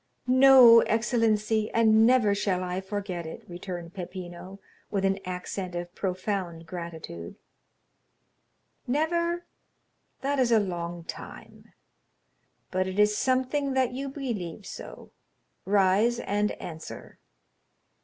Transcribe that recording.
20203m "No, excellency; and never shall I forget it," returned Peppino, with an accent of profound gratitude. "Never? That is a long time; but it is something that you believe so. Rise and answer."